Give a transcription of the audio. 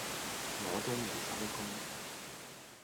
我都未收工